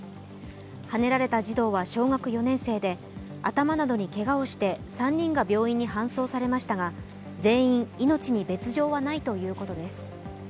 はねられた児童は小学４年生で頭などにけがをして３人が病院に搬送されましたが全員、命に別状はないということです。